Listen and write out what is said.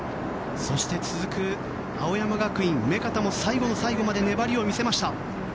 そして続く青山学院目片も最後の最後まで粘りを見せました。